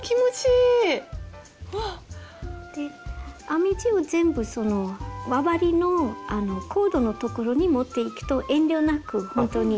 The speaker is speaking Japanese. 編み地を全部その周りのコードのところに持っていくと遠慮なくほんとに。